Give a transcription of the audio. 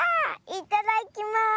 いただきます！